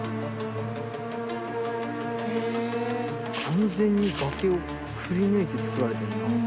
完全に崖をくりぬいて造られてるな。